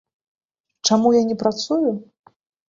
Чаму я не працую?